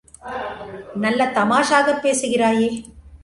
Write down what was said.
நல்ல தமாஷாகப் பேசுகிறயே!